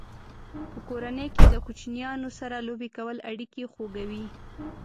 په کورنۍ کې د کوچنیانو سره لوبې کول اړیکې خوږوي.